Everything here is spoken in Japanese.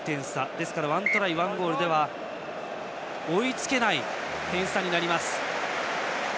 ですから、１トライ１ゴールでは追いつけない点差になります。